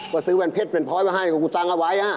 ว่าซื้อแวนเพชรเป็นพล้อยมาให้กับกูสร้างเอาไว้